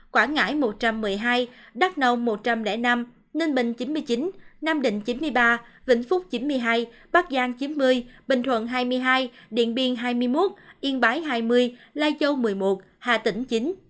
quảng ngãi một trăm một mươi hai đắk nông một trăm linh năm ninh bình chín mươi chín nam định chín mươi ba vĩnh phúc chín mươi hai bắc giang chín mươi bình thuận hai mươi hai điện biên hai mươi một yên bái hai mươi lai châu một mươi một hà tĩnh chín